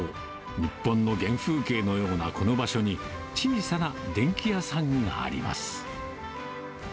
日本の原風景のようなこの場所に、小さな電気屋さんがあります。